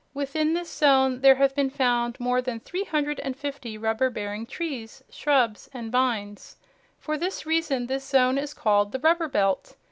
Within this zone there have been found more than 350 rubber bearing trees, shrubs and vines. For this reason this zone is called the Rubber Belt.